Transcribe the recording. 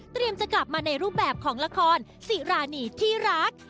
จะกลับมาในรูปแบบของละครสิรานีที่รัก